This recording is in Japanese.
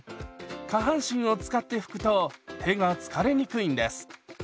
下半身を使って拭くと手が疲れにくいんです。